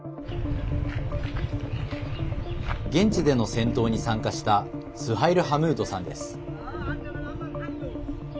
現地での戦闘に参加したスハイル・ハムードさんです。